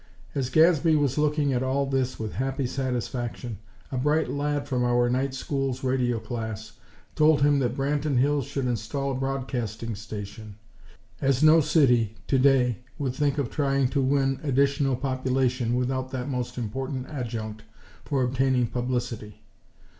As Gadsby was looking at all this with happy satisfaction, a bright lad from our Night School's radio class, told him that Branton Hills should install a broadcasting station, as no city, today, would think of trying to win additional population without that most important adjunct for obtaining publicity.